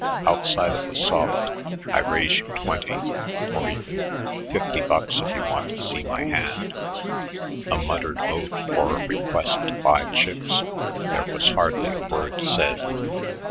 Outside of a soft, "I raise you twenty," or, even, "Fifty bucks if you want to see my hand," a muttered oath or a request to buy chips, there was hardly a word said.